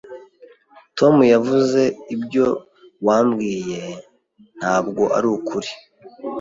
Tom yavuze ibyo wambwiye ntabwo arukuri.